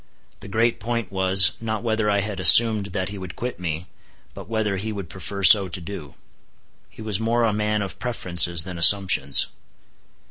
The great point was, not whether I had assumed that he would quit me, but whether he would prefer so to do. He was more a man of preferences than assumptions.